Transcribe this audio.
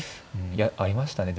いやありましたね